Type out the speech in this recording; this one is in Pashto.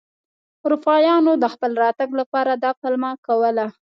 اروپایانو د خپل راتګ لپاره دا پلمه کوله.